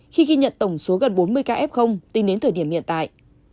khi ghi nhận tổng số gần bốn mươi ca f tính đến thời điểm hiện tại